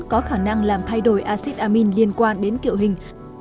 có khả năng làm thay đổi acid amin liên quan đến kiệu hình